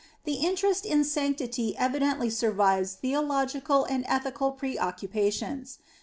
The interest in sanctity evidently survives theological and ethical pre occupations.